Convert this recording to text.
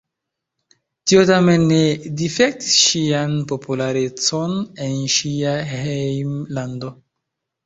Tio tamen ne difektis ŝian popularecon en ŝia hejmlando.